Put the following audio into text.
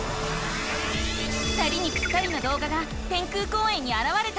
２人にぴったりのどうがが天空公園にあらわれた。